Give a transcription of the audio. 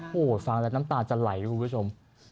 โอ้โหฟังแล้วน้ำตาจะไหลคุณผู้ชม